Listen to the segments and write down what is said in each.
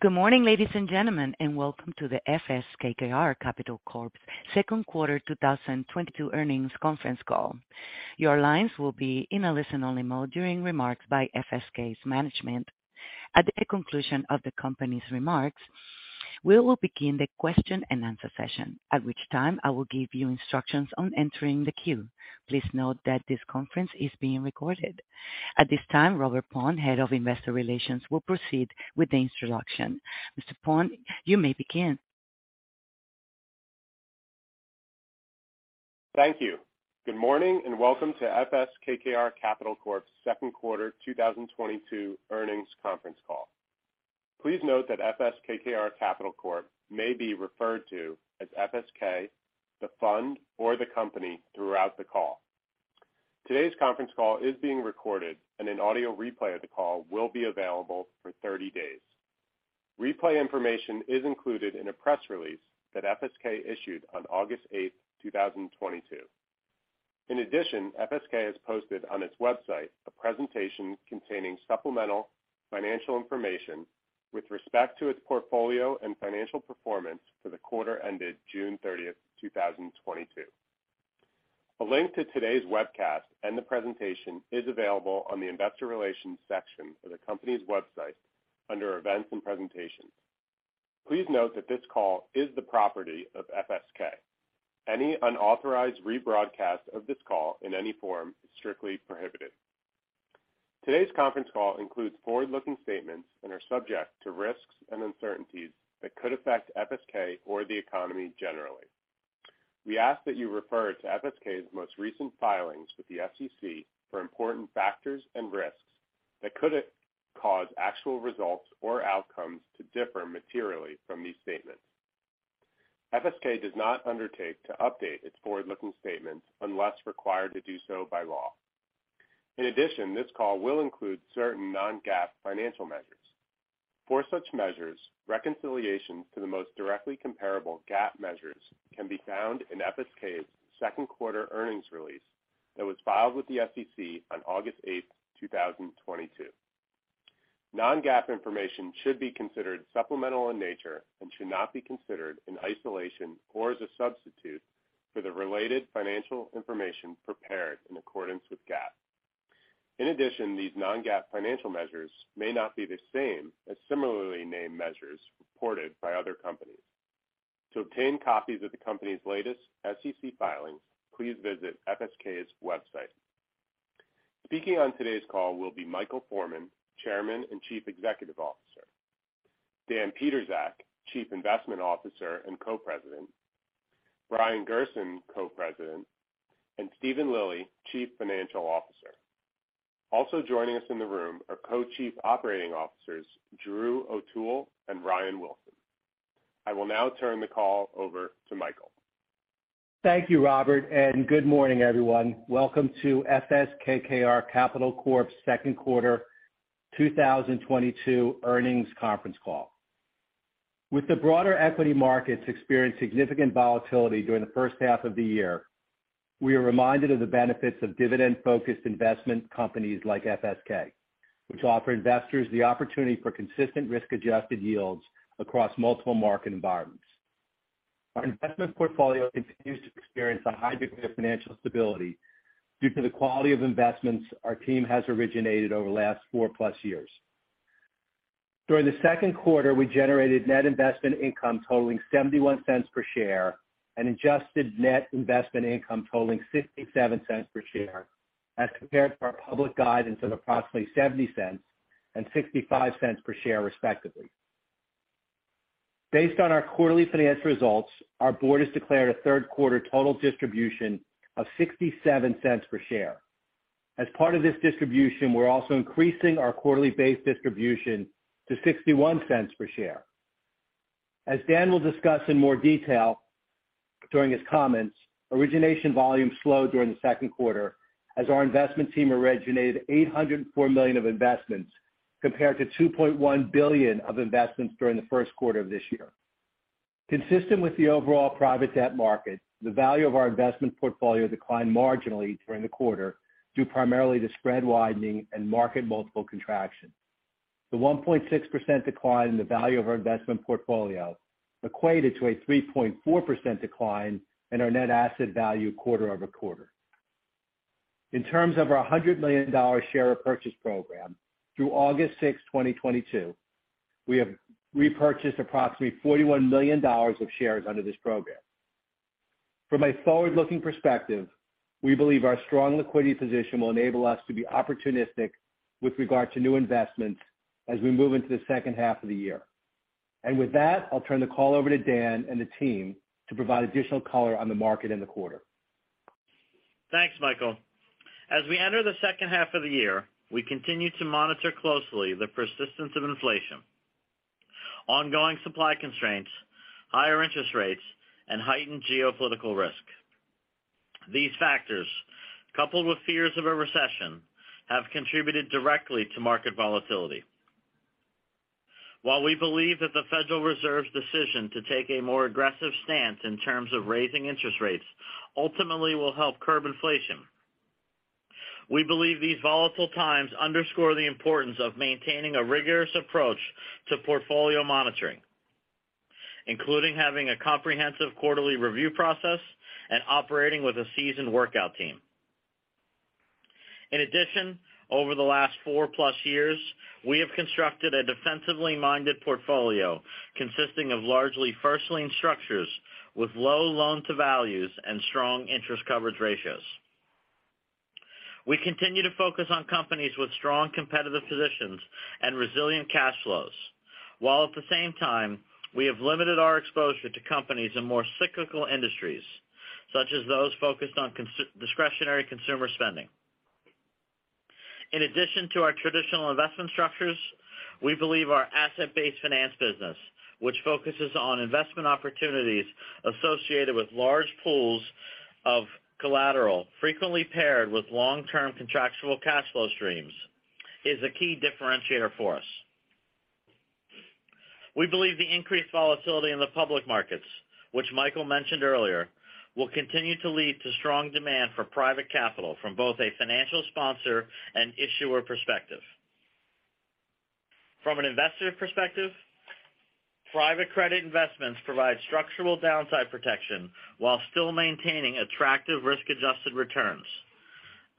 Good morning, ladies and gentlemen, and welcome to the FS KKR Capital Corp.'s Second Quarter 2022 Earnings Conference Call. Your lines will be in a listen-only mode during remarks by FSK's management. At the conclusion of the company's remarks, we will begin the question-and-answer session, at which time I will give you instructions on entering the queue. Please note that this conference is being recorded. At this time, Robert Paun, Head of Investor Relations, will proceed with the introduction. Mr. Paun, you may begin. Thank you. Good morning and welcome to FS KKR Capital Corp.'s Second Quarter 2022 Earnings Conference Call. Please note that FS KKR Capital Corp. may be referred to as FSK, the fund, or the company throughout the call. Today's conference call is being recorded, and an audio replay of the call will be available for 30 days. Replay information is included in a press release that FSK issued on August 8, 2022. In addition, FSK has posted on its website a presentation containing supplemental financial information with respect to its portfolio and financial performance for the quarter ended June 30, 2022. A link to today's webcast and the presentation is available on the Investor Relations section of the company's website under Events and Presentations. Please note that this call is the property of FSK. Any unauthorized rebroadcast of this call in any form is strictly prohibited. Today's conference call includes forward-looking statements and are subject to risks and uncertainties that could affect FSK or the economy generally. We ask that you refer to FSK's most recent filings with the SEC for important factors and risks that could cause actual results or outcomes to differ materially from these statements. FSK does not undertake to update its forward-looking statements unless required to do so by law. In addition, this call will include certain non-GAAP financial measures. For such measures, reconciliations to the most directly comparable GAAP measures can be found in FSK's second quarter earnings release that was filed with the SEC on August 8, 2022. Non-GAAP information should be considered supplemental in nature and should not be considered in isolation or as a substitute for the related financial information prepared in accordance with GAAP. In addition, these non-GAAP financial measures may not be the same as similarly named measures reported by other companies. To obtain copies of the company's latest SEC filings, please visit FSK's website. Speaking on today's call will be Michael Forman, Chairman and Chief Executive Officer, Dan Pietrzak, Chief Investment Officer and Co-President, Brian Gerson, Co-President, and Steven Lilly, Chief Financial Officer. Also joining us in the room are Co-Chief Operating Officers Drew O'Toole and Ryan Wilson. I will now turn the call over to Michael. Thank you, Robert, and good morning, everyone. Welcome to FS KKR Capital Corp.'s second quarter 2022 earnings conference call. With the broader equity markets experiencing significant volatility during the first half of the year, we are reminded of the benefits of dividend-focused investment companies like FSK, which offer investors the opportunity for consistent risk-adjusted yields across multiple market environments. Our investment portfolio continues to experience a high degree of financial stability due to the quality of investments our team has originated over the last four-plus years. During the second quarter, we generated net investment income totaling $0.71 per share and adjusted net investment income totaling $0.67 per share, as compared to our public guidance of approximately $0.70 and $0.65 per share, respectively. Based on our quarterly financial results, our board has declared a third quarter total distribution of $0.67 per share. As part of this distribution, we're also increasing our quarterly base distribution to $0.61 per share. As Dan will discuss in more detail during his comments, origination volume slowed during the second quarter as our investment team originated $804 million of investments compared to $2.1 billion of investments during the first quarter of this year. Consistent with the overall private debt market, the value of our investment portfolio declined marginally during the quarter, due primarily to spread widening and market multiple contraction. The 1.6% decline in the value of our investment portfolio equated to a 3.4% decline in our net asset value quarter over quarter. In terms of our $100 million share repurchase program, through August 6, 2022, we have repurchased approximately $41 million of shares under this program. From a forward-looking perspective, we believe our strong liquidity position will enable us to be opportunistic with regard to new investments as we move into the second half of the year. With that, I'll turn the call over to Dan and the team to provide additional color on the market in the quarter. Thanks, Michael. As we enter the second half of the year, we continue to monitor closely the persistence of inflation, ongoing supply constraints, higher interest rates, and heightened geopolitical risk. These factors, coupled with fears of a recession, have contributed directly to market volatility. While we believe that the Federal Reserve's decision to take a more aggressive stance in terms of raising interest rates ultimately will help curb inflation. We believe these volatile times underscore the importance of maintaining a rigorous approach to portfolio monitoring, including having a comprehensive quarterly review process and operating with a seasoned workout team. In addition, over the last 4+ years, we have constructed a defensively-minded portfolio consisting of largely first lien structures with low loan-to-values and strong interest coverage ratios. We continue to focus on companies with strong competitive positions and resilient cash flows, while at the same time, we have limited our exposure to companies in more cyclical industries, such as those focused on discretionary consumer spending. In addition to our traditional investment structures, we believe our asset-based finance business, which focuses on investment opportunities associated with large pools of collateral, frequently paired with long-term contractual cash flow streams, is a key differentiator for us. We believe the increased volatility in the public markets, which Michael mentioned earlier, will continue to lead to strong demand for private capital from both a financial sponsor and issuer perspective. From an investor perspective, private credit investments provide structural downside protection while still maintaining attractive risk-adjusted returns,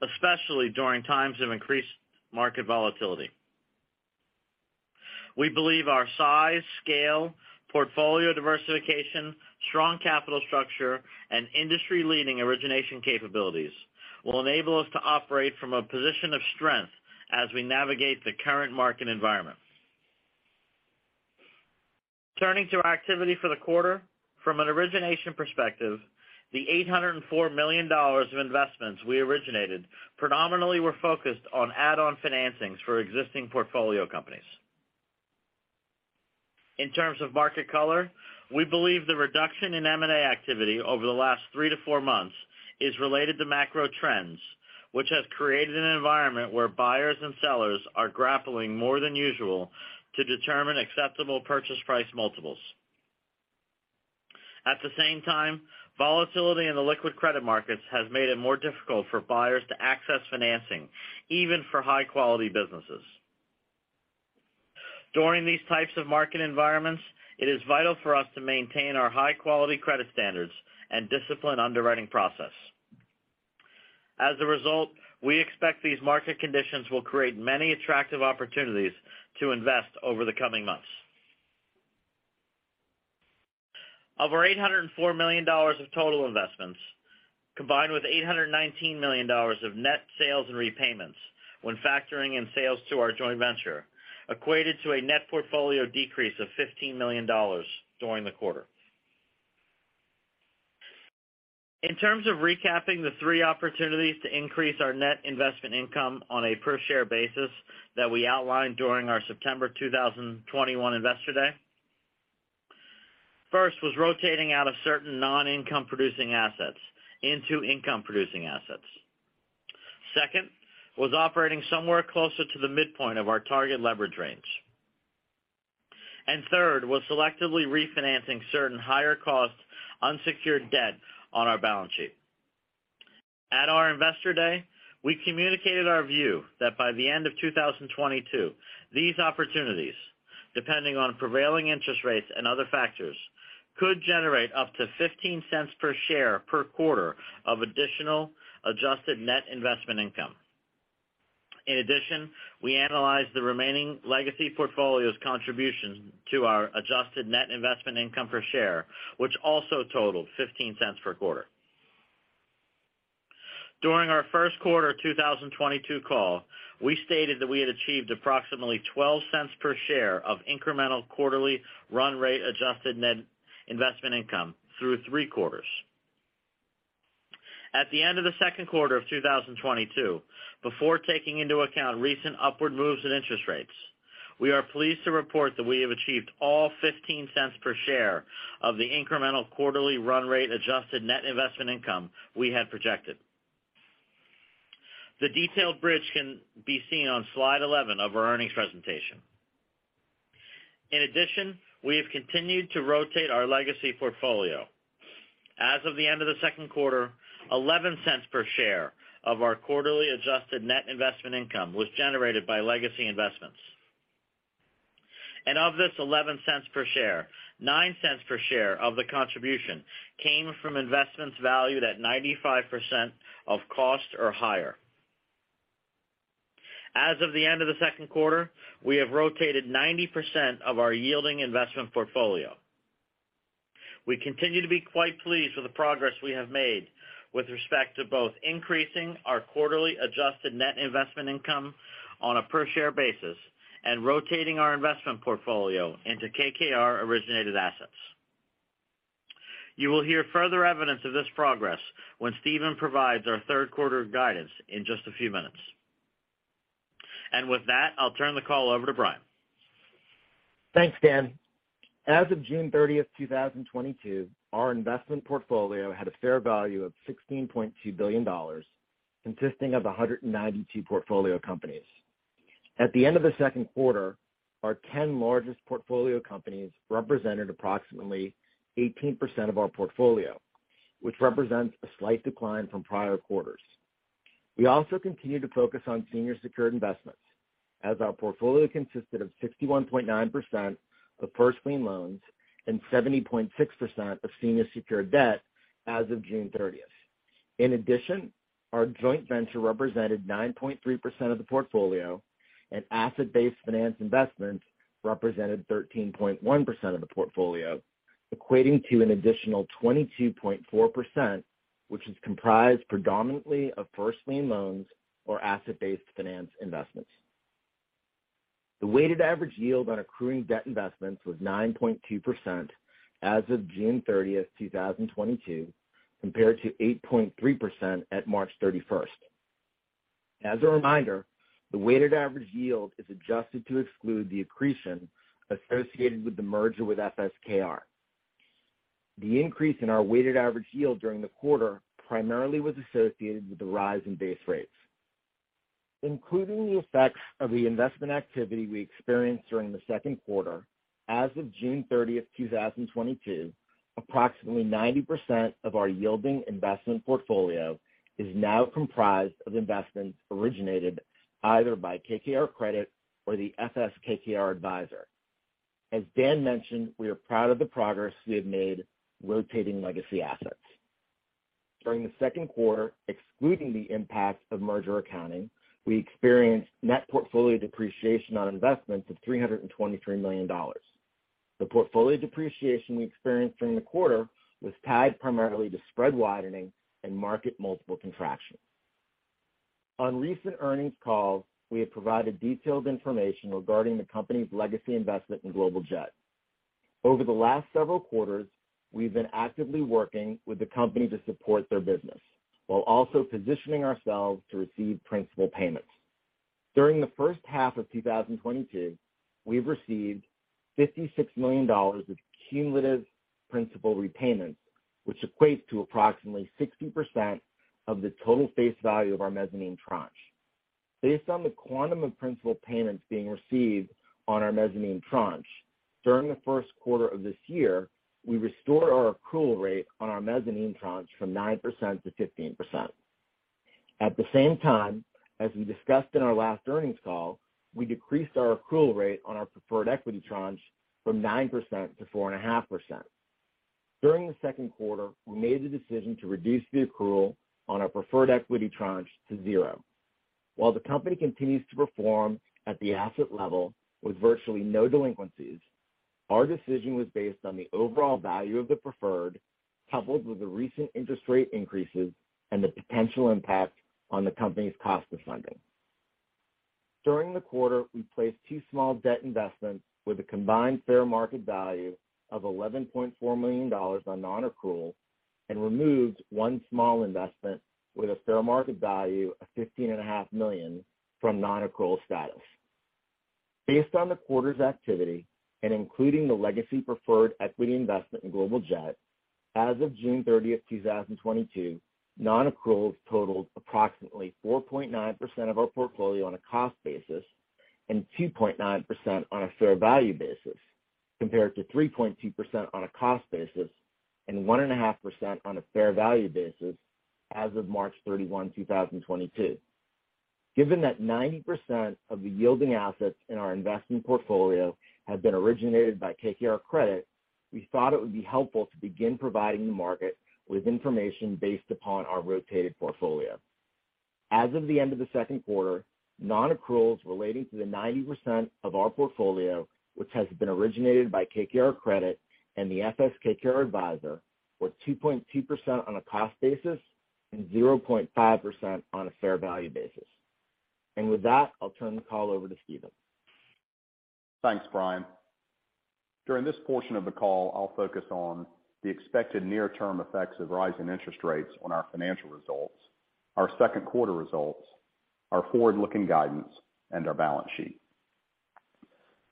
especially during times of increased market volatility. We believe our size, scale, portfolio diversification, strong capital structure, and industry-leading origination capabilities will enable us to operate from a position of strength as we navigate the current market environment. Turning to our activity for the quarter. From an origination perspective, the $804 million of investments we originated predominantly were focused on add-on financings for existing portfolio companies. In terms of market color, we believe the reduction in M&A activity over the last three to four months is related to macro trends, which has created an environment where buyers and sellers are grappling more than usual to determine acceptable purchase price multiples. At the same time, volatility in the liquid credit markets has made it more difficult for buyers to access financing, even for high-quality businesses. During these types of market environments, it is vital for us to maintain our high-quality credit standards and disciplined underwriting process. As a result, we expect these market conditions will create many attractive opportunities to invest over the coming months. Of our $804 million of total investments, combined with $819 million of net sales and repayments when factoring in sales to our joint venture, equated to a net portfolio decrease of $15 million during the quarter. In terms of recapping the three opportunities to increase our net investment income on a per share basis that we outlined during our September 2021 Investor Day. First was rotating out of certain non-income producing assets into income producing assets. Second was operating somewhere closer to the midpoint of our target leverage range. Third was selectively refinancing certain higher cost unsecured debt on our balance sheet. At our Investor Day, we communicated our view that by the end of 2022, these opportunities, depending on prevailing interest rates and other factors, could generate up to $0.15 per share per quarter of additional adjusted net investment income. In addition, we analyzed the remaining legacy portfolio's contributions to our adjusted net investment income per share, which also totaled $0.15 per quarter. During our first quarter 2022 call, we stated that we had achieved approximately $0.12 per share of incremental quarterly run rate adjusted net investment income through three quarters. At the end of the second quarter of 2022, before taking into account recent upward moves in interest rates, we are pleased to report that we have achieved all $0.15 per share of the incremental quarterly run rate adjusted net investment income we had projected. The detailed bridge can be seen on slide 11 of our earnings presentation. In addition, we have continued to rotate our legacy portfolio. As of the end of the second quarter, $0.11 per share of our quarterly adjusted net investment income was generated by legacy investments. Of this $0.11 per share, $0.09 per share of the contribution came from investments valued at 95% of cost or higher. As of the end of the second quarter, we have rotated 90% of our yielding investment portfolio. We continue to be quite pleased with the progress we have made with respect to both increasing our quarterly adjusted net investment income on a per share basis and rotating our investment portfolio into KKR originated assets. You will hear further evidence of this progress when Steven provides our third quarter guidance in just a few minutes. With that, I'll turn the call over to Brian. Thanks, Dan. As of June 30, 2022, our investment portfolio had a fair value of $16.2 billion, consisting of 192 portfolio companies. At the end of the second quarter, our 10 largest portfolio companies represented approximately 18% of our portfolio, which represents a slight decline from prior quarters. We also continue to focus on senior secured investments as our portfolio consisted of 61.9% of first lien loans and 70.6% of senior secured debt as of June 30. In addition, our joint venture represented 9.3% of the portfolio and asset-based finance investments represented 13.1% of the portfolio, equating to an additional 22.4%, which is comprised predominantly of first lien loans or asset-based finance investments. The weighted average yield on accruing debt investments was 9.2% as of June 30, 2022, compared to 8.3% at March 31. As a reminder, the weighted average yield is adjusted to exclude the accretion associated with the merger with FSKR. The increase in our weighted average yield during the quarter primarily was associated with the rise in base rates. Including the effects of the investment activity we experienced during the second quarter, as of June 30, 2022, approximately 90% of our yielding investment portfolio is now comprised of investments originated either by KKR Credit or the FS/KKR Advisor. As Dan mentioned, we are proud of the progress we have made rotating legacy assets. During the second quarter, excluding the impact of merger accounting, we experienced net portfolio depreciation on investments of $323 million. The portfolio depreciation we experienced during the quarter was tied primarily to spread widening and market multiple contraction. On recent earnings calls, we have provided detailed information regarding the company's legacy investment in Global Jet Capital. Over the last several quarters, we've been actively working with the company to support their business while also positioning ourselves to receive principal payments. During the first half of 2022, we have received $56 million of cumulative principal repayments, which equates to approximately 60% of the total face value of our mezzanine tranche. Based on the quantum of principal payments being received on our mezzanine tranche during the first quarter of this year, we restored our accrual rate on our mezzanine tranche from 9% to 15%. At the same time, as we discussed in our last earnings call, we decreased our accrual rate on our preferred equity tranche from 9% to 4.5%. During the second quarter, we made the decision to reduce the accrual on our preferred equity tranche to zero. While the company continues to perform at the asset level with virtually no delinquencies, our decision was based on the overall value of the preferred, coupled with the recent interest rate increases and the potential impact on the company's cost of funding. During the quarter, we placed two small debt investments with a combined fair market value of $11.4 million on non-accrual and removed one small investment with a fair market value of $15.5 million from non-accrual status. Based on the quarter's activity and including the legacy preferred equity investment in Global Jet Capital, as of June 30, 2022, non-accruals totaled approximately 4.9% of our portfolio on a cost basis and 2.9% on a fair value basis, compared to 3.2% on a cost basis and 1.5% on a fair value basis as of March 31, 2022. Given that 90% of the yielding assets in our investment portfolio have been originated by KKR Credit, we thought it would be helpful to begin providing the market with information based upon our originated portfolio. As of the end of the second quarter, non-accruals relating to the 90% of our portfolio which has been originated by KKR Credit and the FS/KKR Advisor were 2.2% on a cost basis and 0.5% on a fair value basis. With that, I'll turn the call over to Steven. Thanks, Brian. During this portion of the call, I'll focus on the expected near-term effects of rising interest rates on our financial results, our second quarter results, our forward-looking guidance, and our balance sheet.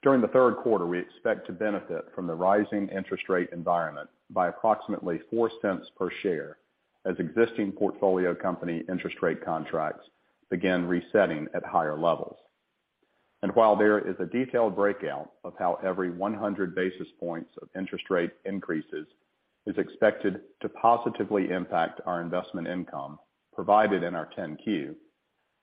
During the third quarter, we expect to benefit from the rising interest rate environment by approximately $0.04 per share as existing portfolio company interest rate contracts begin resetting at higher levels. While there is a detailed breakout of how every 100 basis points of interest rate increases is expected to positively impact our investment income provided in our 10-Q,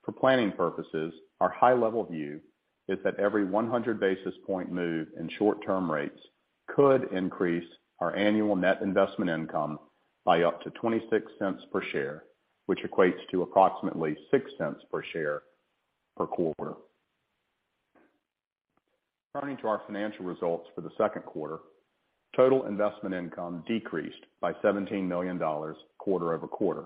for planning purposes, our high-level view is that every 100 basis point move in short-term rates could increase our annual net investment income by up to $0.26 per share, which equates to approximately $0.06 per share per quarter. Turning to our financial results for the second quarter, total investment income decreased by $17 million quarter over quarter,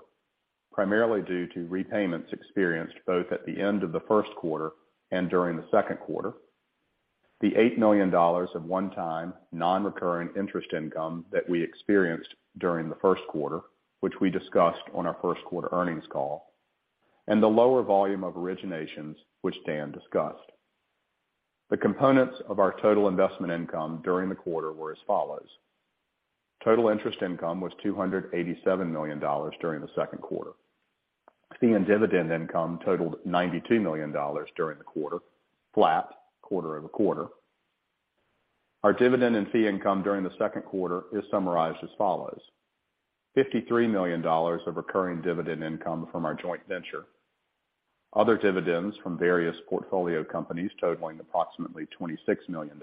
primarily due to repayments experienced both at the end of the first quarter and during the second quarter. The $8 million of one-time non-recurring interest income that we experienced during the first quarter, which we discussed on our first quarter earnings call, and the lower volume of originations which Dan discussed. The components of our total investment income during the quarter were as follows. Total interest income was $287 million during the second quarter. Fee and dividend income totaled $92 million during the quarter, flat quarter over quarter. Our dividend and fee income during the second quarter is summarized as follows. $53 million of recurring dividend income from our joint venture. Other dividends from various portfolio companies totaling approximately $26 million,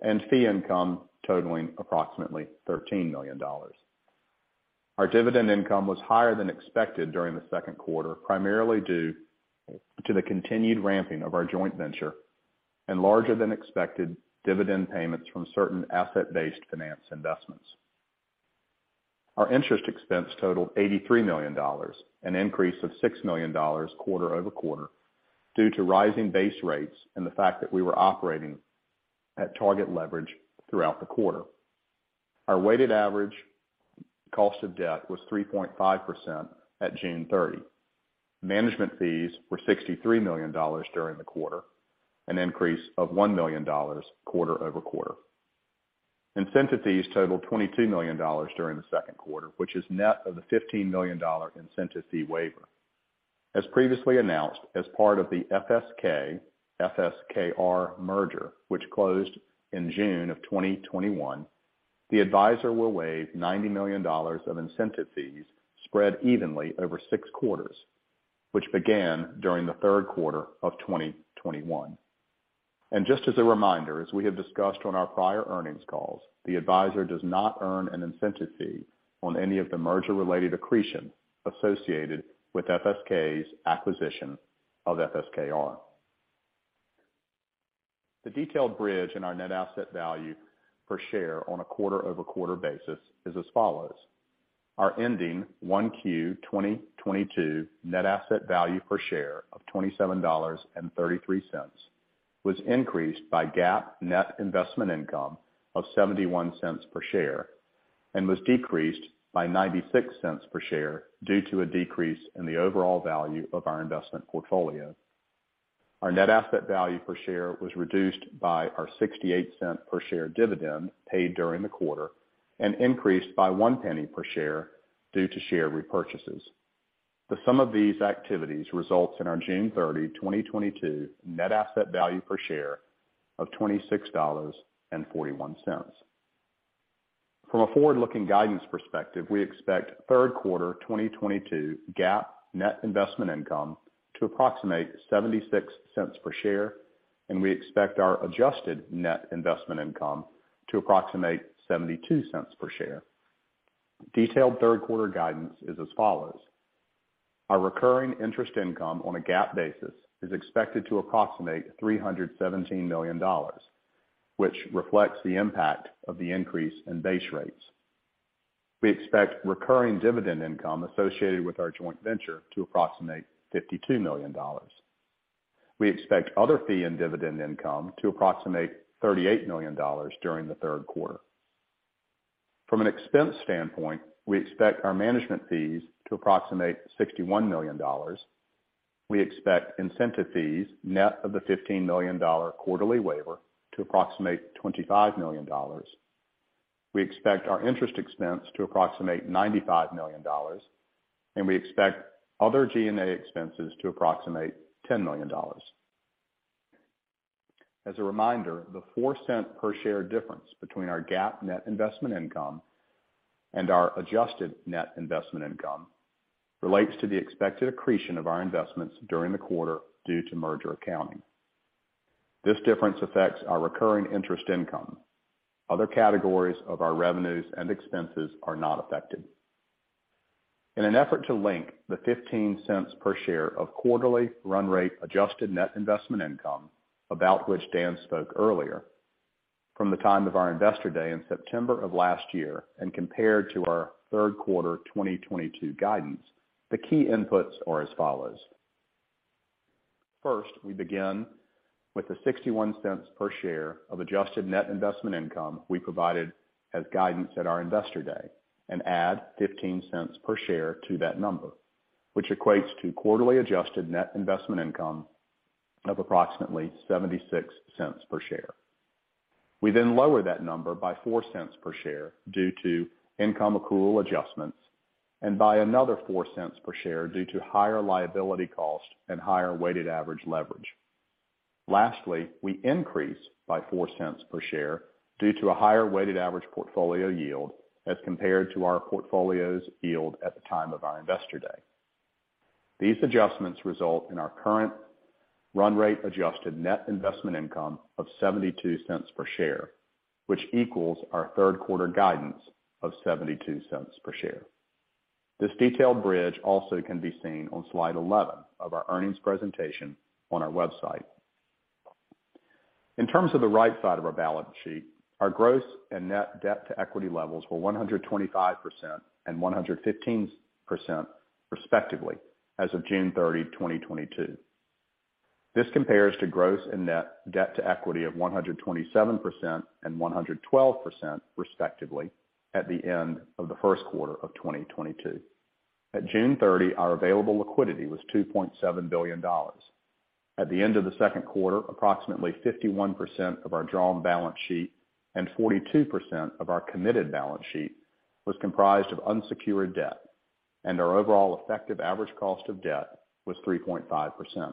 and fee income totaling approximately $13 million. Our dividend income was higher than expected during the second quarter, primarily due to the continued ramping of our joint venture and larger than expected dividend payments from certain asset-based finance investments. Our interest expense totaled $83 million, an increase of $6 million quarter-over-quarter, due to rising base rates and the fact that we were operating at target leverage throughout the quarter. Our weighted average cost of debt was 3.5% at June 30. Management fees were $63 million during the quarter, an increase of $1 million quarter-over-quarter. Incentive fees totaled $22 million during the second quarter, which is net of the $15 million incentive fee waiver. As previously announced, as part of the FSK-FSKR merger, which closed in June 2021, the advisor will waive $90 million of incentive fees spread evenly over 6 quarters, which began during the third quarter of 2021. Just as a reminder, as we have discussed on our prior earnings calls, the advisor does not earn an incentive fee on any of the merger-related accretion associated with FSK's acquisition of FSKR. The detailed bridge in our net asset value per share on a quarter-over-quarter basis is as follows: Our ending 1Q 2022 net asset value per share of $27.33 was increased by GAAP net investment income of $0.71 per share and was decreased by $0.96 per share due to a decrease in the overall value of our investment portfolio. Our net asset value per share was reduced by our $0.68 per share dividend paid during the quarter and increased by $0.01 per share due to share repurchases. The sum of these activities results in our June 30, 2022 net asset value per share of $26.41. From a forward-looking guidance perspective, we expect third quarter 2022 GAAP net investment income to approximate $0.76 per share, and we expect our adjusted net investment income to approximate $0.72 per share. Detailed third quarter guidance is as follows. Our recurring interest income on a GAAP basis is expected to approximate $317 million, which reflects the impact of the increase in base rates. We expect recurring dividend income associated with our joint venture to approximate $52 million. We expect other fee in dividend income to approximate $38 million during the third quarter. From an expense standpoint, we expect our management fees to approximate $61 million. We expect incentive fees, net of the $15 million quarterly waiver, to approximate $25 million. We expect our interest expense to approximate $95 million, and we expect other G&A expenses to approximate $10 million. As a reminder, the $0.04 per share difference between our GAAP net investment income and our adjusted net investment income relates to the expected accretion of our investments during the quarter due to merger accounting. This difference affects our recurring interest income. Other categories of our revenues and expenses are not affected. In an effort to link the $0.15 per share of quarterly run rate adjusted net investment income, about which Dan spoke earlier, from the time of our Investor Day in September of last year and compared to our third quarter 2022 guidance, the key inputs are as follows. First, we begin with the $0.61 per share of adjusted net investment income we provided as guidance at our Investor Day and add $0.15 per share to that number, which equates to quarterly adjusted net investment income of approximately $0.76 per share. We then lower that number by $0.04 per share due to income accrual adjustments and by another $0.04 per share due to higher liability costs and higher weighted average leverage. Lastly, we increase by $0.04 per share due to a higher weighted average portfolio yield as compared to our portfolio's yield at the time of our Investor Day. These adjustments result in our current run rate adjusted net investment income of $0.72 per share, which equals our third quarter guidance of $0.72 per share. This detailed bridge also can be seen on slide 11 of our earnings presentation on our website. In terms of the right side of our balance sheet, our gross and net debt to equity levels were 125% and 115%, respectively, as of June 30, 2022. This compares to gross and net debt to equity of 127% and 112%, respectively, at the end of the first quarter of 2022. At June 30, our available liquidity was $2.7 billion. At the end of the second quarter, approximately 51% of our drawn balance sheet and 42% of our committed balance sheet was comprised of unsecured debt, and our overall effective average cost of debt was 3.5%.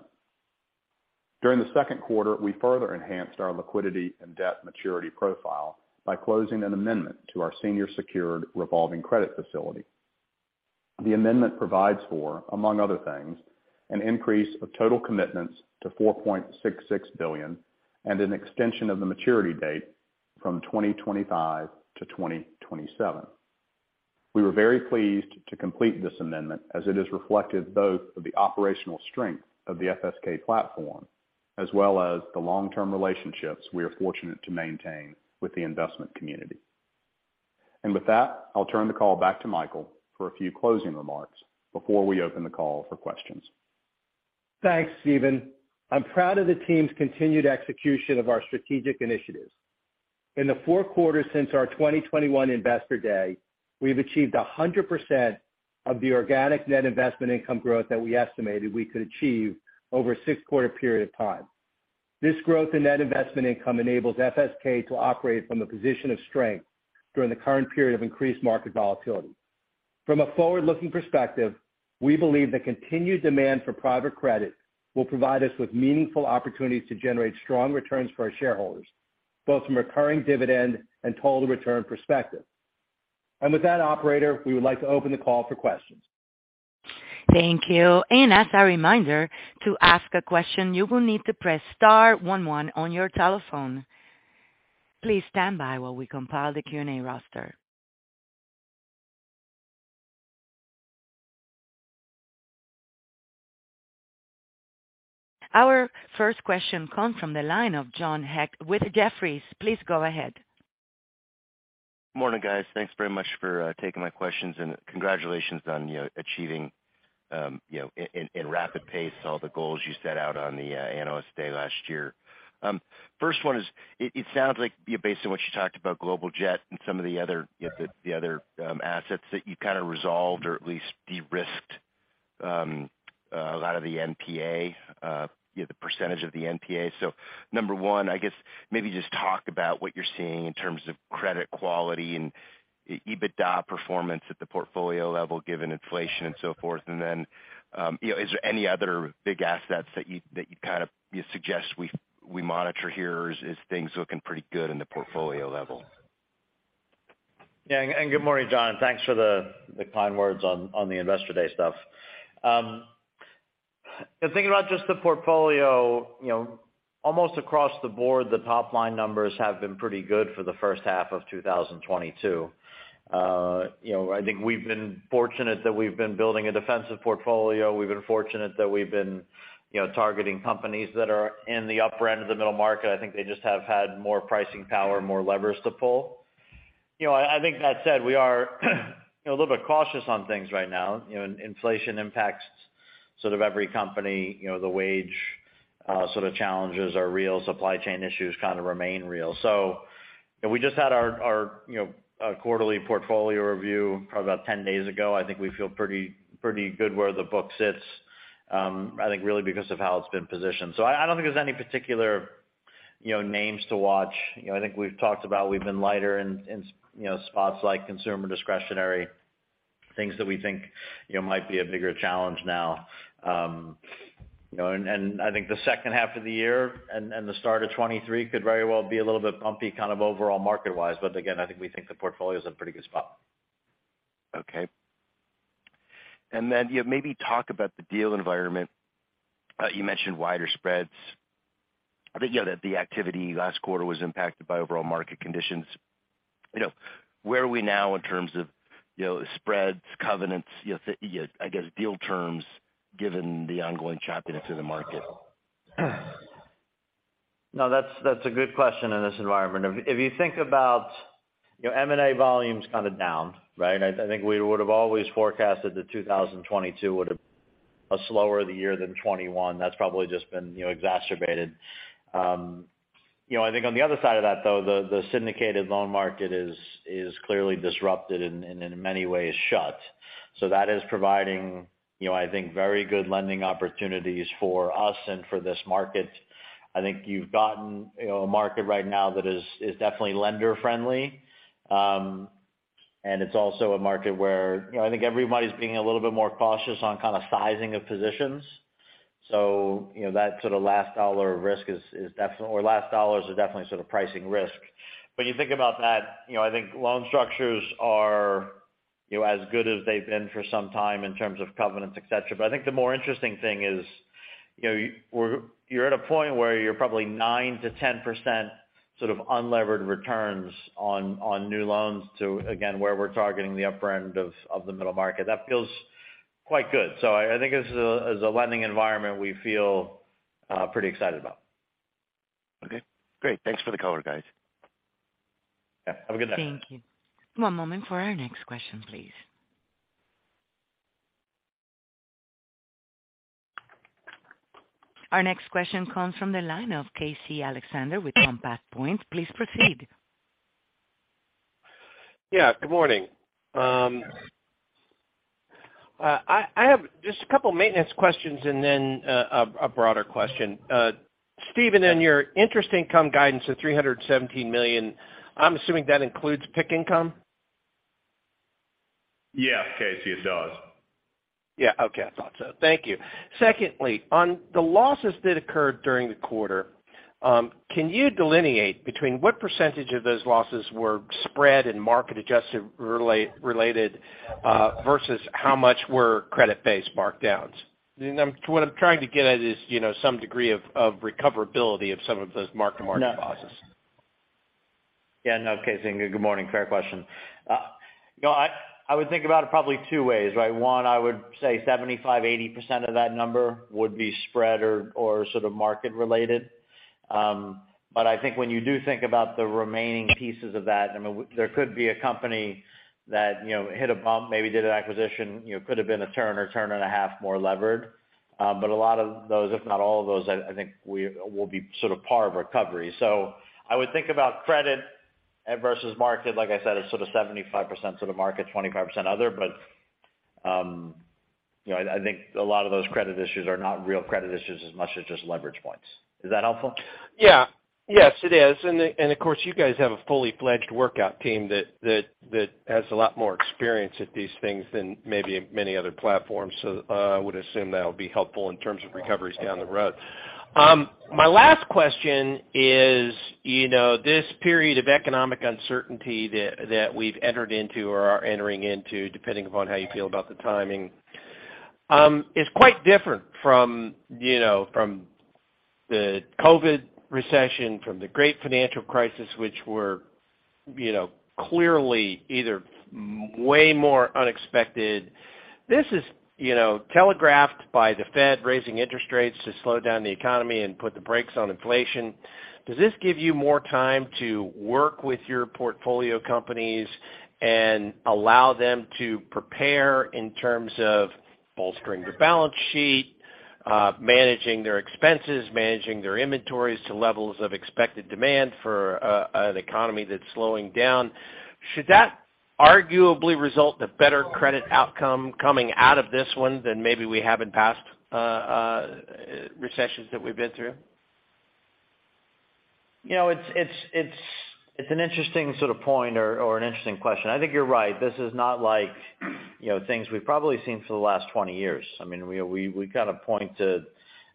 During the second quarter, we further enhanced our liquidity and debt maturity profile by closing an amendment to our senior secured revolving credit facility. The amendment provides for, among other things, an increase of total commitments to $4.66 billion and an extension of the maturity date from 2025 to 2027. We were very pleased to complete this amendment as it is reflective both of the operational strength of the FSK platform, as well as the long-term relationships we are fortunate to maintain with the investment community. With that, I'll turn the call back to Michael for a few closing remarks before we open the call for questions. Thanks, Steven. I'm proud of the team's continued execution of our strategic initiatives. In the four quarters since our 2021 Investor Day, we've achieved 100% of the organic net investment income growth that we estimated we could achieve over a six-quarter period of time. This growth in net investment income enables FSK to operate from a position of strength during the current period of increased market volatility. From a forward-looking perspective, we believe the continued demand for private credit will provide us with meaningful opportunities to generate strong returns for our shareholders, both from recurring dividend and total return perspective. With that, operator, we would like to open the call for questions. Thank you. As a reminder, to ask a question, you will need to press star one one on your telephone. Please stand by while we compile the Q&A roster. Our first question comes from the line of John Hecht with Jefferies. Please go ahead. Morning, guys. Thanks very much for taking my questions, and congratulations on, you know, achieving, you know, in rapid pace all the goals you set out on the Investor Day last year. First one is, it sounds like based on what you talked about Global Jet Capital and some of the other, you know, the other assets that you kind of resolved or at least de-risked, a lot of the NPA, you know, the percentage of the NPA. Number one, I guess maybe just talk about what you're seeing in terms of credit quality and EBITDA performance at the portfolio level, given inflation and so forth. You know, is there any other big assets that you kind of suggest we monitor here? Is things looking pretty good in the portfolio level? Yeah. Good morning, John, thanks for the kind words on the Investor Day stuff. The thing about just the portfolio, you know, almost across the board, the top-line numbers have been pretty good for the first half of 2022. You know, I think we've been fortunate that we've been building a defensive portfolio. We've been fortunate that we've been, you know, targeting companies that are in the upper end of the middle market. I think they just have had more pricing power, more levers to pull. You know, I think that said, we are, you know, a little bit cautious on things right now. You know, inflation impacts sort of every company. You know, the wage sort of challenges are real. Supply chain issues kind of remain real. You know, we just had our quarterly portfolio review probably about 10 days ago. I think we feel pretty good where the book sits. I think really because of how it's been positioned. I don't think there's any particular, you know, names to watch. You know, I think we've talked about we've been lighter in, you know, spots like consumer discretionary, things that we think, you know, might be a bigger challenge now. You know, and I think the second half of the year and the start of 2023 could very well be a little bit bumpy kind of overall market-wise. Again, I think we think the portfolio is in a pretty good spot. Okay. Maybe talk about the deal environment. You mentioned wider spreads. I think you know that the activity last quarter was impacted by overall market conditions. You know, where are we now in terms of, you know, spreads, covenants, you know, I guess, deal terms given the ongoing choppiness in the market? No, that's a good question in this environment. If you think about, you know, M&A volume's kind of down, right? I think we would have always forecasted that 2022 would have a slower year than 2021. That's probably just been, you know, exacerbated. You know, I think on the other side of that, though, the syndicated loan market is clearly disrupted and in many ways shut. So that is providing, you know, I think very good lending opportunities for us and for this market. I think you've gotten, you know, a market right now that is definitely lender friendly. And it's also a market where, you know, I think everybody's being a little bit more cautious on kind of sizing of positions. You know, that sort of last dollar of risk is definitely, or last dollars are definitely sort of pricing risk. When you think about that, you know, I think loan structures are, you know, as good as they've been for some time in terms of covenants, et cetera. But I think the more interesting thing is, you know, you're at a point where you're probably 9%-10% sort of unlevered returns on new loans to, again, where we're targeting the upper end of the middle market. That feels quite good. I think this is a lending environment we feel pretty excited about. Okay, great. Thanks for the color, guys. Yeah, have a good night. Thank you. One moment for our next question, please. Our next question comes from the line of Casey Alexander with Compass Point. Please proceed. Yeah. Good morning. I have just a couple maintenance questions and then a broader question. Steven, in your interest income guidance of $317 million, I'm assuming that includes PIK income. Yeah, Casey, it does. Yeah. Okay. I thought so. Thank you. Secondly, on the losses that occurred during the quarter, can you delineate between what percentage of those losses were spread and market-adjusted related, versus how much were credit-based markdowns? And what I'm trying to get at is, you know, some degree of recoverability of some of those mark-to-market losses. Yeah. No, Casey. Good morning. Fair question. You know, I would think about it probably two ways, right? One, I would say 75%-80% of that number would be spread or sort of market related. But I think when you do think about the remaining pieces of that, I mean, there could be a company that, you know, hit a bump, maybe did an acquisition, you know, could have been a turn or turn and a half more levered. But a lot of those, if not all of those, I think we will be sort of path of recovery. I would think about credit versus market, like I said, as sort of 75% sort of market, 25% other. you know, I think a lot of those credit issues are not real credit issues as much as just leverage points. Is that helpful? Yeah. Yes, it is. Of course, you guys have a fully fledged workout team that has a lot more experience at these things than maybe many other platforms. I would assume that'll be helpful in terms of recoveries down the road. My last question is, you know, this period of economic uncertainty that we've entered into or are entering into, depending upon how you feel about the timing, is quite different from, you know, from the COVID recession, from the Great Financial Crisis, which were, you know, clearly either way more unexpected. This is, you know, telegraphed by the Fed raising interest rates to slow down the economy and put the brakes on inflation. Does this give you more time to work with your portfolio companies and allow them to prepare in terms of bolstering their balance sheet, managing their expenses, managing their inventories to levels of expected demand for an economy that's slowing down? Should that arguably result in a better credit outcome coming out of this one than maybe we have in past recessions that we've been through? You know, it's an interesting sort of point or an interesting question. I think you're right. This is not like, you know, things we've probably seen for the last 20 years. I mean, we kind of point to,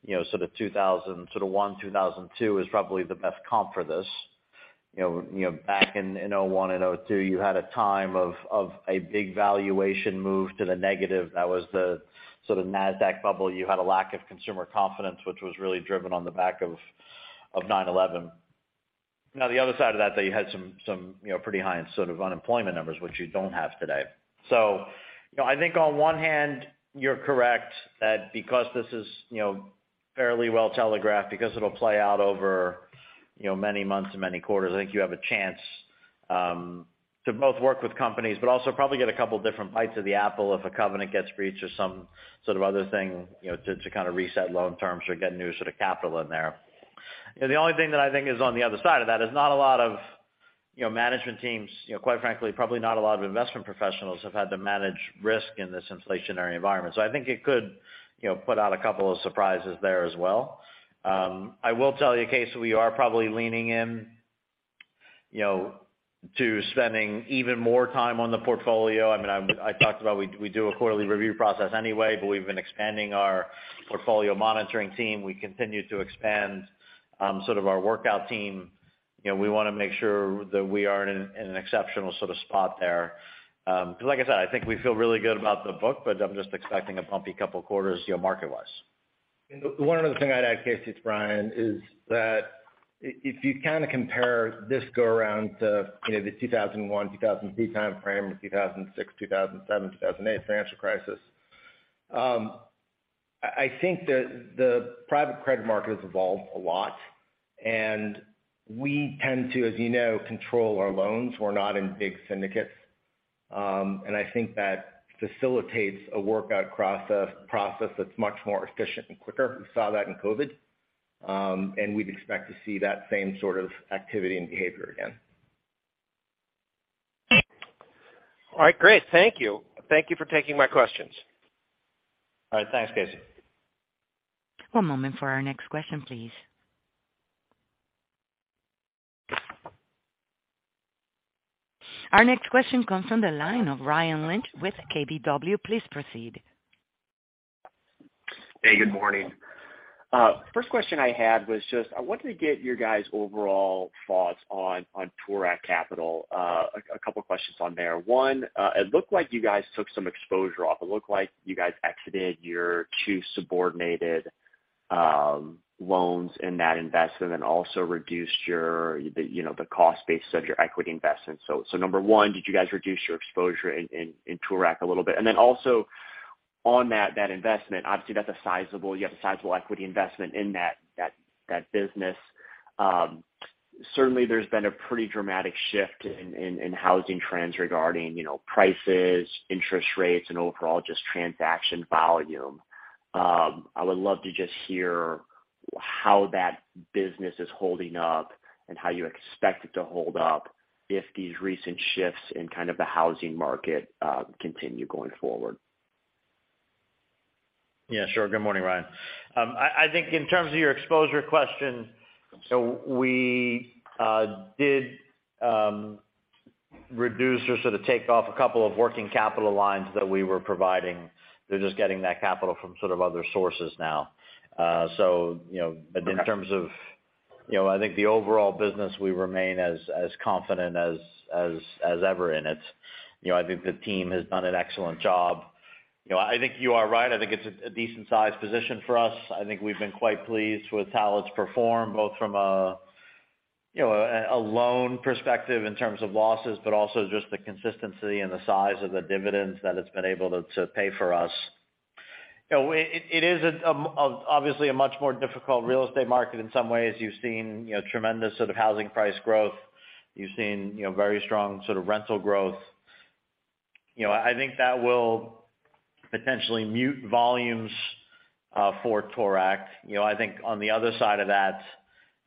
you know, sort of 2000, sort of 2001, 2002 is probably the best comp for this. You know, back in 2001 and 2002, you had a time of a big valuation move to the negative. That was the sort of NASDAQ bubble. You had a lack of consumer confidence, which was really driven on the back of 9/11. Now, the other side of that, you had some, you know, pretty high sort of unemployment numbers, which you don't have today. You know, I think on one hand, you're correct that because this is, you know, fairly well telegraphed, because it'll play out over, you know, many months and many quarters, I think you have a chance to both work with companies, but also probably get a couple different bites of the apple if a covenant gets breached or some sort of other thing, you know, to kind of reset loan terms or get new sort of capital in there. You know, the only thing that I think is on the other side of that is not a lot of, you know, management teams, you know, quite frankly, probably not a lot of investment professionals have had to manage risk in this inflationary environment. I think it could, you know, put out a couple of surprises there as well. I will tell you, Casey, we are probably leaning in, you know, to spending even more time on the portfolio. I mean, I talked about, we do a quarterly review process anyway, but we've been expanding our portfolio monitoring team. We continue to expand sort of our workout team. You know, we wanna make sure that we are in an exceptional sort of spot there. 'Cause like I said, I think we feel really good about the book, but I'm just expecting a bumpy couple quarters, you know, market-wise. One other thing I'd add, Casey, its Brian, is that if you kind of compare this go around to, you know, the 2001, 2003 timeframe or 2006, 2007, 2008 financial crisis, I think the private credit market has evolved a lot. We tend to, as you know, control our loans. We're not in big syndicates. I think that facilitates a workout process that's much more efficient and quicker. We saw that in COVID. We'd expect to see that same sort of activity and behavior again. All right. Great. Thank you. Thank you for taking my questions. All right. Thanks, Casey. One moment for our next question, please. Our next question comes from the line of Ryan Lynch with KBW. Please proceed. Hey, good morning. First question I had was just I wanted to get your guys' overall thoughts on Toorak Capital. Couple questions on there. One, it looked like you guys took some exposure off. It looked like you guys exited your two subordinated loans in that investment and also reduced your, you know, the cost basis of your equity investment. So number one, did you guys reduce your exposure in Tourmaline a little bit? And then also on that investment, obviously that's a sizable. You have a sizable equity investment in that business. Certainly there's been a pretty dramatic shift in housing trends regarding, you know, prices, interest rates and overall just transaction volume. I would love to just hear how that business is holding up and how you expect it to hold up if these recent shifts in kind of the housing market continue going forward. Yeah, sure. Good morning, Ryan. I think in terms of your exposure question, so we did reduce or sort of take off a couple of working capital lines that we were providing. They're just getting that capital from sort of other sources now. You know- Okay. in terms of, you know, I think the overall business, we remain as confident as ever in it. You know, I think the team has done an excellent job. You know, I think you are right. I think it's a decent sized position for us. I think we've been quite pleased with how it's performed, both from a, you know, loan perspective in terms of losses, but also just the consistency and the size of the dividends that it's been able to pay for us. You know, it is obviously a much more difficult real estate market in some ways. You've seen, you know, tremendous sort of housing price growth. You've seen, you know, very strong sort of rental growth. You know, I think that will potentially mute volumes for Toorakt. You know, I think on the other side of that,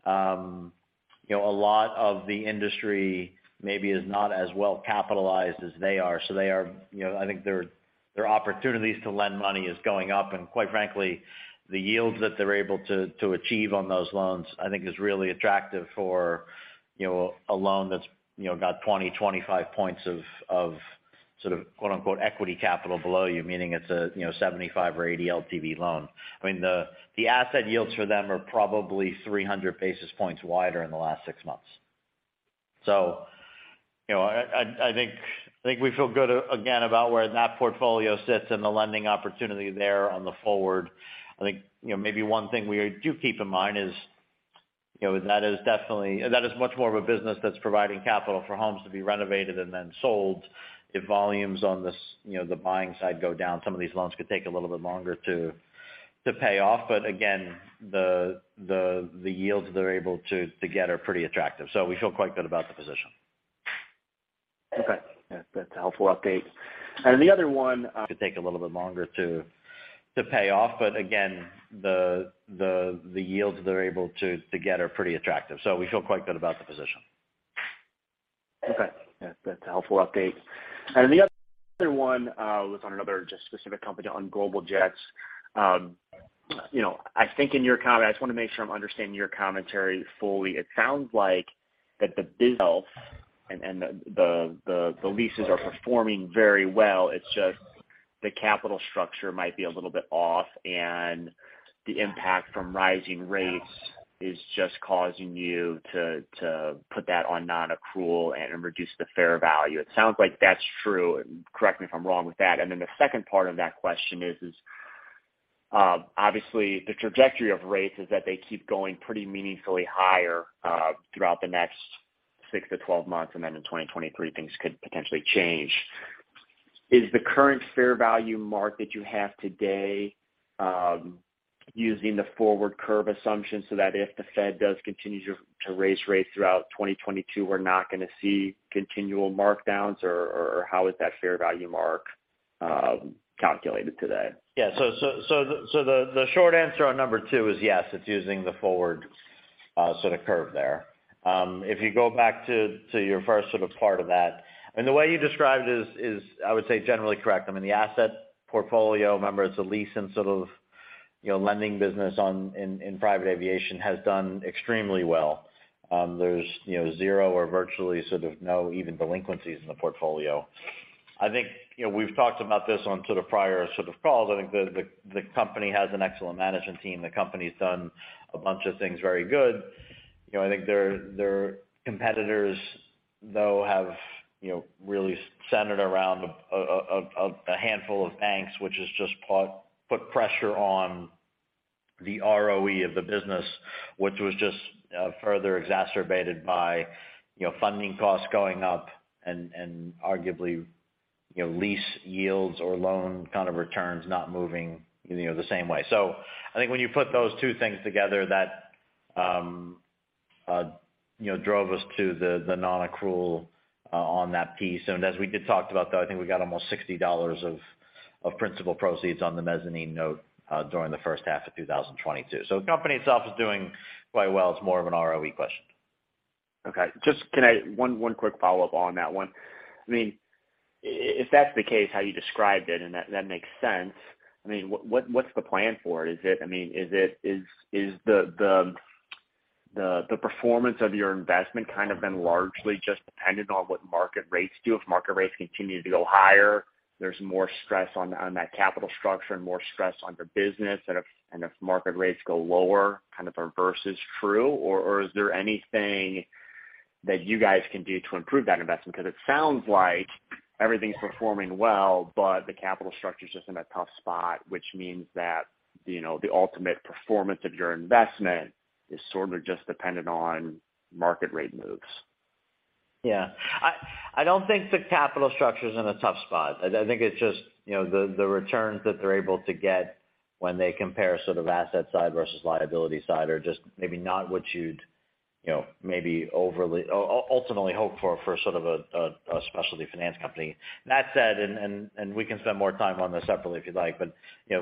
you know, a lot of the industry maybe is not as well capitalized as they are, so they are, you know. I think their opportunities to lend money is going up. Quite frankly, the yields that they're able to achieve on those loans, I think is really attractive for, you know, a loan that's, you know, about 20-25 points of sort of quote-unquote equity capital below you, meaning it's a, you know, 75 or 80 LTV loan. I mean, the asset yields for them are probably 300 basis points wider in the last six months. You know, I think we feel good again about where that portfolio sits and the lending opportunity there going forward. I think, you know, maybe one thing we do keep in mind is, you know, that is definitely, that is much more of a business that's providing capital for homes to be renovated and then sold. If volumes on this, you know, the buying side go down, some of these loans could take a little bit longer to pay off. But again, the yields they're able to get are pretty attractive. We feel quite good about the position. Okay. Yeah. That's a helpful update. The other one, Could take a little bit longer to pay off. Again, the yields they're able to get are pretty attractive. We feel quite good about the position. Okay. Yeah. That's a helpful update. The other one was on another just specific company on Global Jet Capital. You know, I think in your comment, I just wanna make sure I'm understanding your commentary fully. It sounds like that the business itself and the leases are performing very well. It's just the capital structure might be a little bit off, and the impact from rising rates is just causing you to put that on non-accrual and reduce the fair value. It sounds like that's true, and correct me if I'm wrong with that. Then the second part of that question is obviously the trajectory of rates is that they keep going pretty meaningfully higher throughout the next six to 12 months, and then in 2023, things could potentially change. Is the current fair value mark that you have today using the forward curve assumption so that if the Fed does continue to raise rates throughout 2022, we're not gonna see continual markdowns or how is that fair value mark calculated today? Yeah. The short answer on number 2 is yes, it's using the forward sort of curve there. If you go back to your first sort of part of that, and the way you described it is I would say generally correct. I mean, the asset portfolio, remember it's a lease and sort of, you know, lending business in private aviation, has done extremely well. There's, you know, 0 or virtually sort of no even delinquencies in the portfolio. I think, you know, we've talked about this on prior calls. I think the company has an excellent management team. The company's done a bunch of things very good. You know, I think their competitors though have, you know, really centered around a handful of banks, which has just put pressure on the ROE of the business, which was just further exacerbated by, you know, funding costs going up and arguably, you know, lease yields or loan kind of returns not moving, you know, the same way. I think when you put those two things together, that, you know, drove us to the non-accrual on that piece. As we did talk about though, I think we got almost $60 of principal proceeds on the mezzanine note during the first half of 2022. The company itself is doing quite well. It's more of an ROE question. Okay. Just one quick follow-up on that one. I mean, if that's the case how you described it, and that makes sense, I mean, what's the plan for it? Is it, I mean, is the performance of your investment kind of been largely just dependent on what market rates do? If market rates continue to go higher, there's more stress on that capital structure and more stress on their business. If market rates go lower, kind of the reverse is true? Or is there anything that you guys can do to improve that investment? 'Cause it sounds like everything's performing well, but the capital structure's just in a tough spot, which means that, you know, the ultimate performance of your investment is sort of just dependent on market rate moves. Yeah. I don't think the capital structure's in a tough spot. I think it's just, you know, the returns that they're able to get when they compare sort of asset side versus liability side are just maybe not what you'd, you know, maybe ultimately hope for sort of a specialty finance company. That said, we can spend more time on this separately if you'd like. You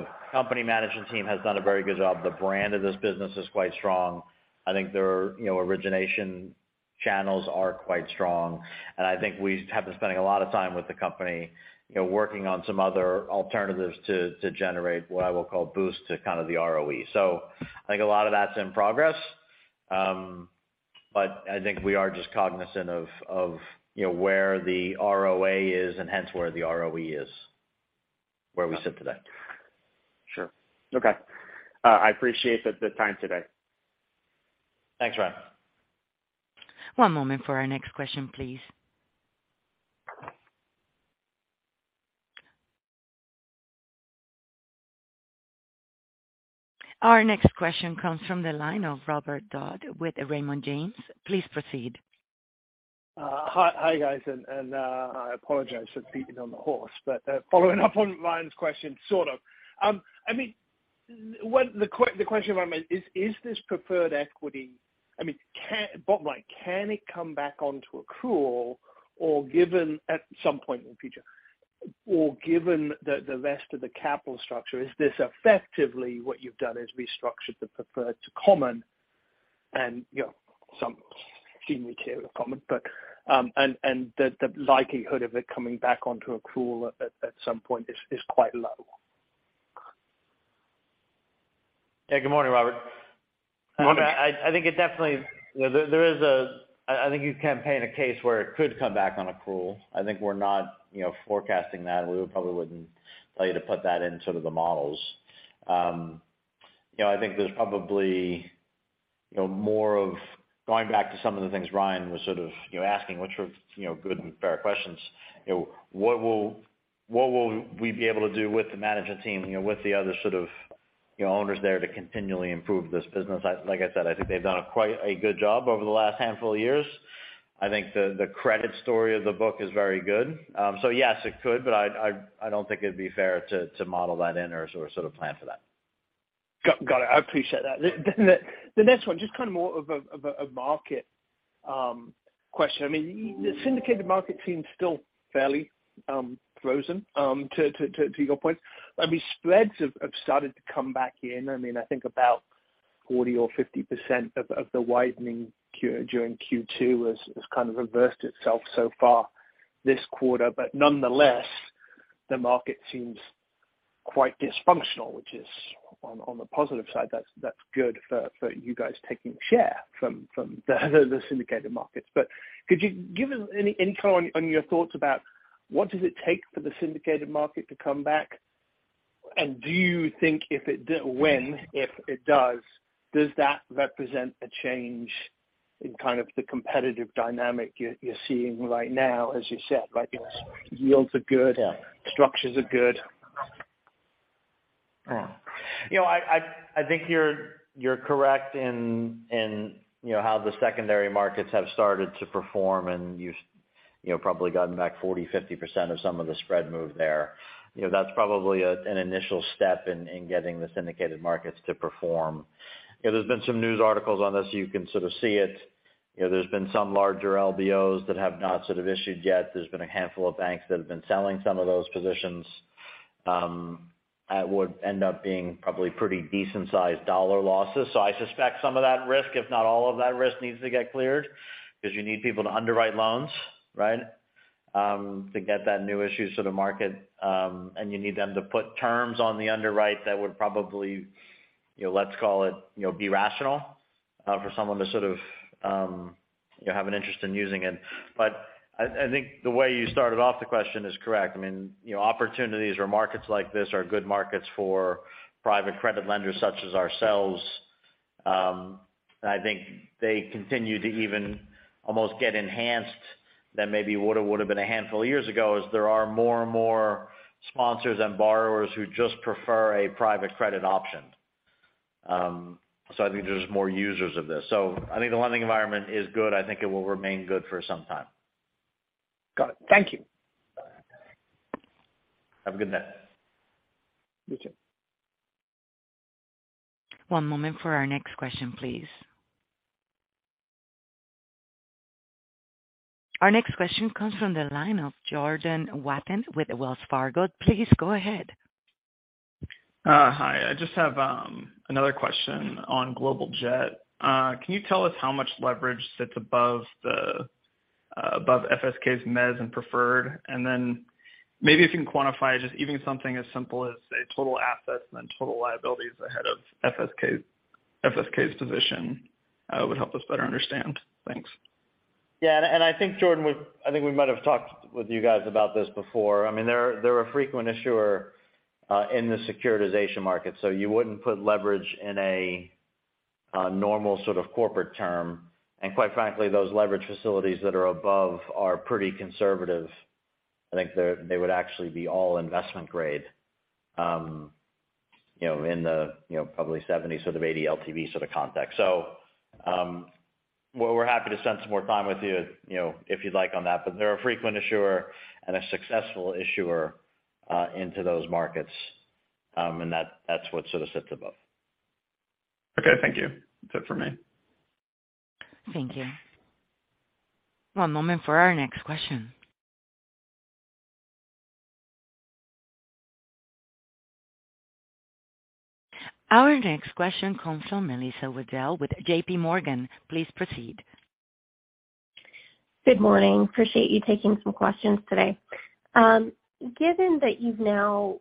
know, company management team has done a very good job. The brand of this business is quite strong. I think their, you know, origination channels are quite strong. I think we have been spending a lot of time with the company, you know, working on some other alternatives to generate what I will call boost to kind of the ROE. I think a lot of that's in progress. I think we are just cognizant of you know where the ROA is and hence where the ROE is, where we sit today. Sure. Okay. I appreciate the time today. Thanks, Ryan. One moment for our next question, please. Our next question comes from the line of Robert Dodd with Raymond James. Please proceed. Hi, guys. I apologize for beating a dead horse, but following up on Ryan's question, sort of. I mean, the question I meant is this preferred equity. I mean, bottom line, can it come back onto accrual or given at some point in the future? Or, given the rest of the capital structure, is this effectively what you've done is restructured the preferred to common and, you know, some extremely clear to common. The likelihood of it coming back onto accrual at some point is quite low. Yeah, good morning, Robert. Morning. I think you can paint a case where it could come back on accrual. I think we're not, you know, forecasting that. We probably wouldn't tell you to put that in sort of the models. You know, I think there's probably, you know, more of going back to some of the things Ryan was sort of, you know, asking, which were, you know, good and fair questions. You know, what will we be able to do with the management team, you know, with the other sort of, you know, owners there to continually improve this business? Like I said, I think they've done quite a good job over the last handful of years. I think the credit story of the book is very good. Yes, it could, but I don't think it'd be fair to model that in or sort of plan for that. Got it. I appreciate that. The next one, just kind of more of a market question. I mean, the syndicated market seems still fairly frozen to your point. I mean, spreads have started to come back in. I mean, I think about 40% or 50% of the widening during Q2 has kind of reversed itself so far this quarter. Nonetheless, the market seems quite dysfunctional, which is on the positive side, that's good for you guys taking share from the syndicated markets. Could you give us any intel on your thoughts about what does it take for the syndicated market to come back? Do you think if it when if it does that represent a change in kind of the competitive dynamic you're seeing right now, as you said, like yields are good? Yeah. Structures are good. Yeah. You know, I think you're correct in you know how the secondary markets have started to perform, and you've you know probably gotten back 40-50% of some of the spread move there. You know, that's probably an initial step in getting the syndicated markets to perform. There's been some news articles on this, you can sort of see it. You know, there's been some larger LBOs that have not sort of issued yet. There's been a handful of banks that have been selling some of those positions that would end up being probably pretty decent-sized dollar losses. I suspect some of that risk, if not all of that risk, needs to get cleared because you need people to underwrite loans, right? To get that new issue to the market, and you need them to put terms on the underwrite that would probably, you know, let's call it, you know, be rational, for someone to sort of, you know, have an interest in using it. I think the way you started off the question is correct. I mean, you know, opportunities or markets like this are good markets for private credit lenders such as ourselves. I think they continue to even almost get enhanced than maybe would have been a handful of years ago, as there are more and more sponsors and borrowers who just prefer a private credit option. I think there's more users of this. I think the lending environment is good. I think it will remain good for some time. Got it. Thank you. Have a good day. You too. One moment for our next question, please. Our next question comes from the line of Jordan Wathen with Wells Fargo. Please go ahead. Hi. I just have another question on Global Jet. Can you tell us how much leverage sits above FSK's mezz and preferred? And then maybe if you can quantify just even something as simple as, say, total assets and then total liabilities ahead of FSK's position would help us better understand. Thanks. Yeah. I think we might have talked with you guys about this before. I mean, they're a frequent issuer in the securitization market, so you wouldn't put leverage in a normal sort of corporate term. Quite frankly, those leverage facilities that are above are pretty conservative. I think they would actually be all investment grade, you know, in the probably 70 sort of 80 LTV sort of context. Well, we're happy to spend some more time with you know, if you'd like on that. They're a frequent issuer and a successful issuer into those markets. That's what sort of sits above. Okay, thank you. That's it for me. Thank you. One moment for our next question. Our next question comes from Melissa Wedel with J.P. Morgan. Please proceed. Good morning. Appreciate you taking some questions today. Given that you've now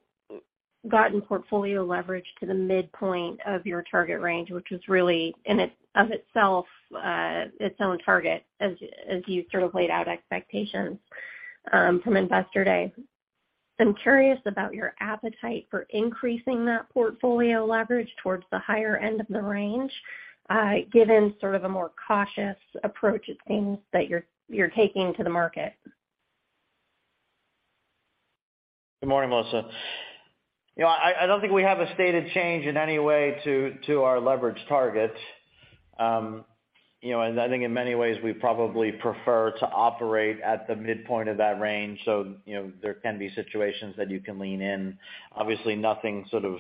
gotten portfolio leverage to the midpoint of your target range, which is really in and of itself its own target as you sort of laid out expectations from Investor Day. I'm curious about your appetite for increasing that portfolio leverage towards the higher end of the range, given sort of a more cautious approach it seems that you're taking to the market. Good morning, Melissa. You know, I don't think we have a stated change in any way to our leverage targets. You know, I think in many ways we probably prefer to operate at the midpoint of that range. You know, there can be situations that you can lean in. Obviously, nothing sort of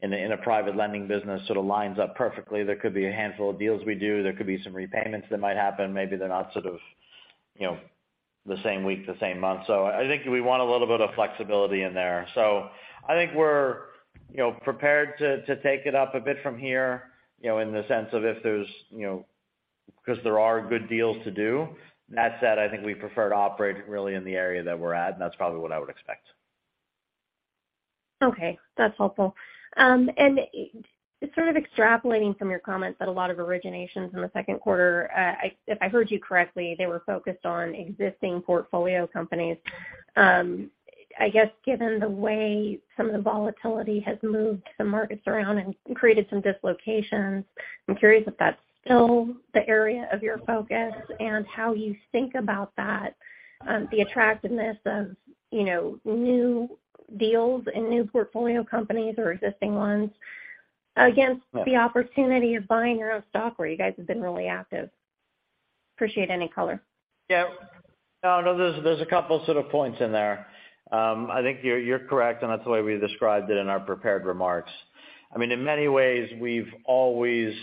in a private lending business sort of lines up perfectly. There could be a handful of deals we do. There could be some repayments that might happen. Maybe they're not sort of, you know, the same week, the same month. I think we want a little bit of flexibility in there. I think we're, you know, prepared to take it up a bit from here, you know, in the sense of if there's, you know, 'cause there are good deals to do. That said, I think we prefer to operate really in the area that we're at, and that's probably what I would expect. Okay, that's helpful. Just sort of extrapolating from your comments that a lot of originations in the second quarter, if I heard you correctly, they were focused on existing portfolio companies. I guess given the way some of the volatility has moved some markets around and created some dislocations, I'm curious if that's still the area of your focus and how you think about that, the attractiveness of, you know, new deals and new portfolio companies or existing ones against the opportunity of buying your own stock where you guys have been really active. Appreciate any color. Yeah. No, no, there's a couple sort of points in there. I think you're correct, and that's the way we described it in our prepared remarks. I mean, in many ways, we've always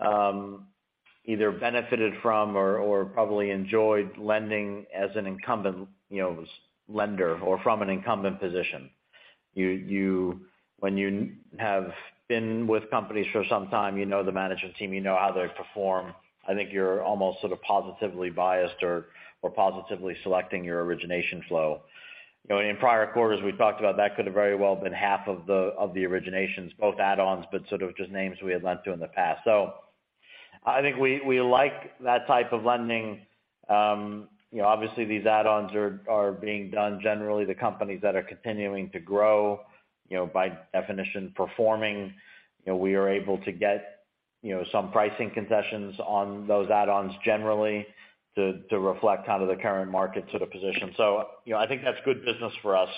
either benefited from or probably enjoyed lending as an incumbent, you know, lender or from an incumbent position. When you have been with companies for some time, you know the management team, you know how they perform. I think you're almost sort of positively biased or positively selecting your origination flow. You know, in prior quarters, we talked about that could have very well been half of the originations, both add-ons, but sort of just names we had lent to in the past. I think we like that type of lending. You know, obviously these add-ons are being done generally the companies that are continuing to grow, you know, by definition, performing. You know, we are able to get, you know, some pricing concessions on those add-ons generally to reflect how do the current market sort of position. You know, I think that's good business for us.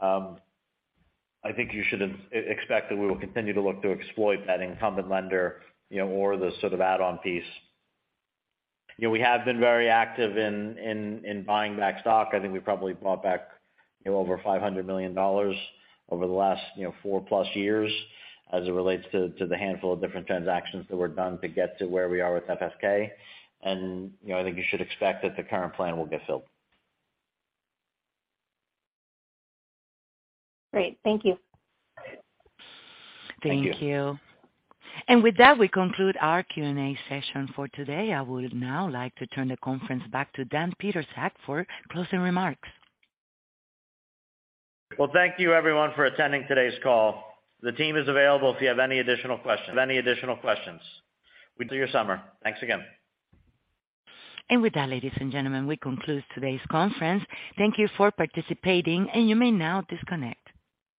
I think you should expect that we will continue to look to exploit that incumbent lender, you know, or the sort of add-on piece. You know, we have been very active in buying back stock. I think we probably bought back, you know, over $500 million over the last, you know, 4+ years as it relates to the handful of different transactions that were done to get to where we are with FSK. you know, I think you should expect that the current plan will get filled. Great. Thank you. Thank you. Thank you. With that, we conclude our Q&A session for today. I would now like to turn the conference back to Dan Pietrzak for closing remarks. Well, thank you everyone for attending today's call. The team is available if you have any additional questions. Enjoy your summer. Thanks again. With that, ladies and gentlemen, we conclude today's conference. Thank you for participating, and you may now disconnect.